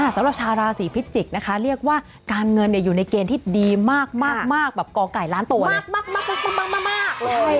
สำหรับชาวราศีพิจิกษ์นะคะเรียกว่าการเงินอยู่ในเกณฑ์ที่ดีมากแบบก่อไก่ล้านตัวมากเลย